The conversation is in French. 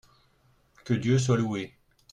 Que Dieu soit loué !